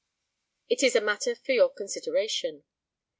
It is a matter for your consideration.